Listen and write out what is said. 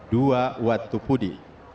dua watu pudi